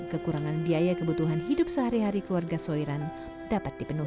kekurangan biaya kebutuhan hidup sehari hari keluarga soiran dapat dipenuhi